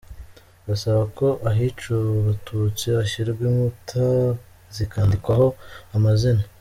Basaba ko ahiciwe abatutsi hashyirwa inkuta zikandikwaho amazina.